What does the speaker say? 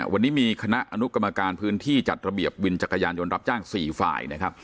วันนี้มีคณะอนุกรรมการพื้นที่จัดระเบียบวินจักรยานยนต์รับจ้าง๔ฝ่ายนะครับ